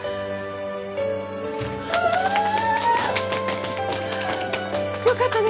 はっよかったね